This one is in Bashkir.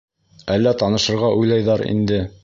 Әллә танышырға уйлайҙар инде?